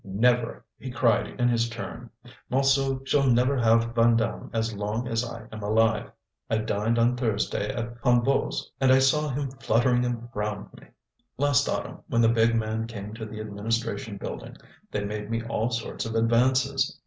"Never!" he cried, in his turn. "Montsou shall never have Vandame as long as I am alive. I dined on Thursday at Hennebeau's, and I saw him fluttering around me. Last autumn, when the big men came to the administration building, they made me all sorts of advances.